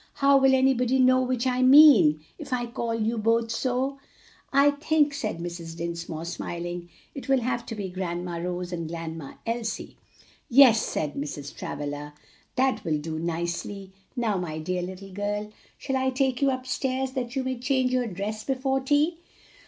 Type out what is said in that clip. How will anybody know which I mean, if I call you both so?" "I think," said Mrs. Dinsmore, smiling, "it will have to be Grandma Rose and Grandma Elsie." "Yes," said Mrs. Travilla, "that will do nicely. Now, my dear little girl, shall I take you upstairs that you may change your dress before tea?"